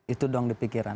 itu doang di pikiran